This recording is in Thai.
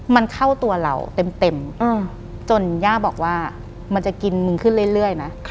มันเข้าตัวเราเต็มจนย่าบอกว่ามันจะกินมึงขึ้นเรื่อยนะ